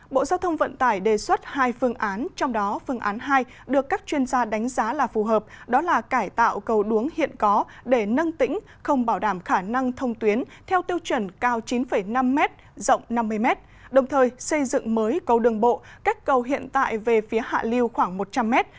bộ giao thông vận tải đề xuất hai phương án trong đó phương án hai được các chuyên gia đánh giá là phù hợp đó là cải tạo cầu đuống hiện có để nâng tĩnh không bảo đảm khả năng thông tuyến theo tiêu chuẩn cao chín năm m rộng năm mươi m đồng thời xây dựng mới cầu đường bộ cách cầu hiện tại về phía hạ liêu khoảng một trăm linh m